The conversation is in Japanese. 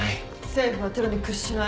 政府はテロに屈しない。